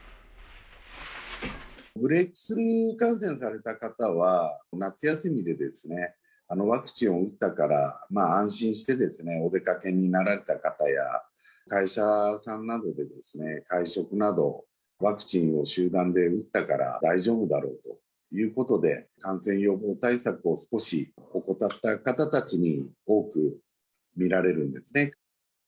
ブレークスルー感染された方は、夏休みでですね、ワクチンを打ったから、安心してお出かけになられた方や、会社さんなどで会食など、ワクチンを集団で打ったから大丈夫だろうということで、感染予防対策を少し怠った方たちに多く見られるんですね。